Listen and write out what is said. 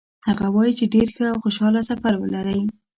هغه وایي چې ډېر ښه او خوشحاله سفر ولرئ.